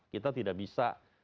kita tidak bisa